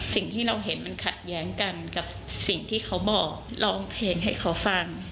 สิ่งที่เราเห็นมันขัดแย้งกันกับสิ่งที่เขาบอกร้องเพลงให้เขาฟัง